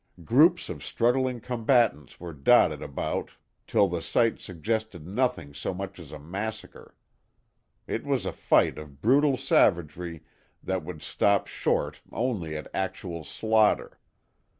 Groups of struggling combatants were dotted about till the sight suggested nothing so much as a massacre. It was a fight of brutal savagery that would stop short only at actual slaughter.